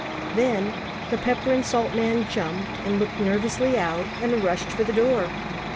Then the pepper and salt man jumped and looked nervously out and rushed for the door.